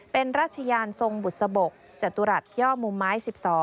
เป็นราชยานทรงบุษบกจตุรัสย่อมุมไม้๑๒